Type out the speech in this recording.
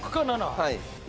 はい。